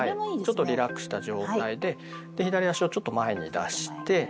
ちょっとリラックスした状態で左足をちょっと前に出して。